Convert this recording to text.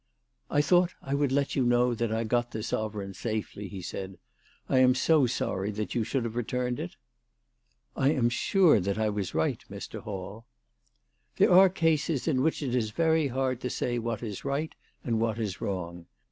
" I thought I would let you know that I got the sovereign safely," he said. " I am so sorry that you should have returned it." " I am sure that I was right, Mr. Hall." " There are cases in which it is very hard to say what is right and what is wrong.